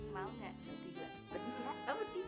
mau gak mesti gue